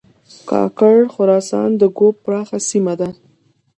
کاکړ خراسان د ږوب پراخه سیمه ده